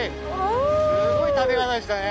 すごい食べ方でしたね。